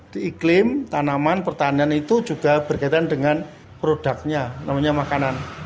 di iklim tanaman pertanian itu juga berkaitan dengan produknya namanya makanan